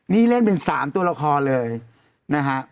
นี่เล่นเป็น๓ตัวละครเลยนะฮะ